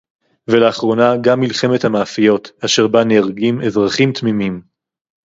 ולאחרונה גם מלחמת המאפיות אשר בה נהרגים אזרחים תמימים